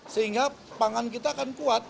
sehingga pangan kita akan kuat